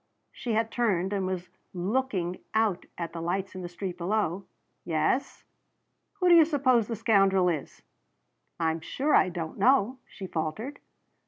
She had turned and was looking out at the lights in the street below. "Yes?" "Who do you suppose the scoundrel is?" "I'm sure I don't know," she faltered.